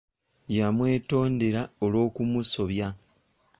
Yamwetondera olw'okumusobya.